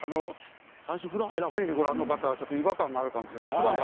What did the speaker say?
テレビをご覧の方はちょっと違和感があるかもしれません。